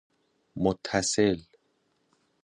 متصل